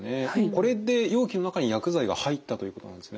これで容器の中に薬剤が入ったということなんですね。